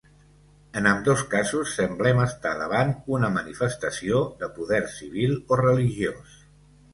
En ambdós casos semblem estar davant una manifestació de poder civil o religiós.